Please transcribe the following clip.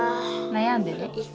悩んでる？